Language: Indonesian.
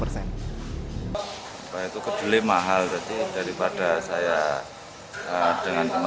setelah perajian dan pedagang tempe